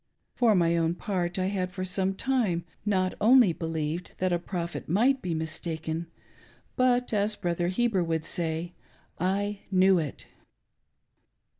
For my, own part, I had for some time, hot only believed that a Prophet might be mistaken, but, as Brother Heber would say, I knew it.